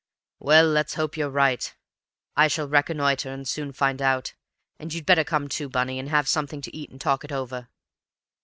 "Well, let's hope you are right. I shall reconnoitre and soon find out. And you'd better come too, Bunny, and have something to eat and talk it over."